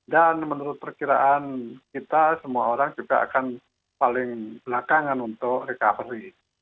dan menurut perkiraan kita semua orang juga akan paling belakangan untuk recovery